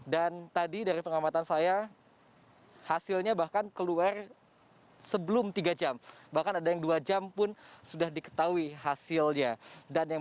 dan tadi dari pengamatan saya hasilnya bahkan keluar sebelum tiga jam bahkan ada yang dua jam pun sudah diketahui hasilnya